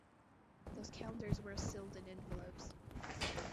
Those calendars were sealed in envelopes.